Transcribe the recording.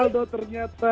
bang aldo ternyata